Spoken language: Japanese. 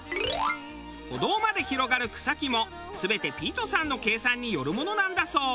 歩道まで広がる草木も全てピィトさんの計算によるものなんだそう。